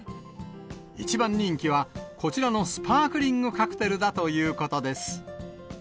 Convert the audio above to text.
一番人気は、こちらのスパークリングカクテルだということです。